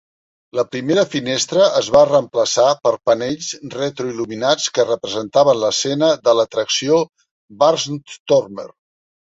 La primera finestra es va reemplaçar per panells retroiluminats que representen l'escena de l'atracció Barnstormer.